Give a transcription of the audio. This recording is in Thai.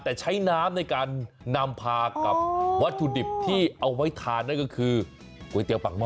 แต่ใช้น้ำในการนำพากับวัตถุดิบที่เอาไว้ทานนั่นก็คือก๋วยเตี๋ยปากห้อ